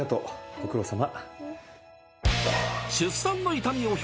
ご苦労さま。